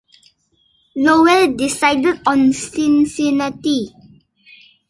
Lowe decided on Cincinnati.